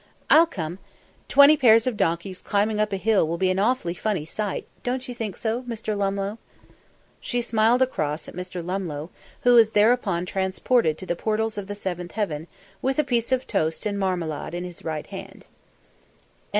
"I'll come. Twenty pairs of donkeys climbing up a hill will be an awfully funny sight, don't you think so, Mr. Lumlough?" She smiled across at Mr. Lumlough, who was thereupon transported to the portals of the seventh heaven with a piece of toast and marmalade in his right hand.